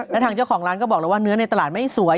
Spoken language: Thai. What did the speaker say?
แล้วทางเจ้าของร้านก็บอกแล้วว่าเนื้อในตลาดไม่สวย